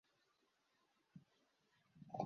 Mugabe ntazi kuvugana neza nabandi.